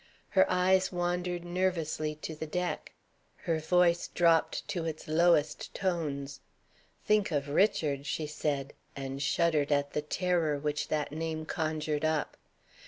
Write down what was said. Her eyes wandered nervously to the deck. Her voice dropped to its lowest tones. "Think of Richard!" she said, and shuddered at the terrors which that name conjured up.